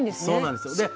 そうなんですよ。